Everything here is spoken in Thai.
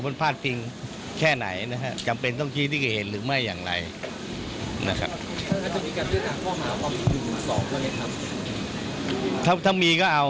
ถ้ามีก็เอาครับ